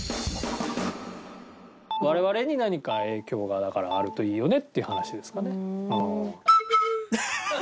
我々に何か影響がだからあるといいよねっていう話ですかね。